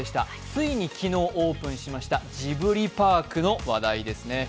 ついに昨日オープンしましたジブリパークの話題ですね。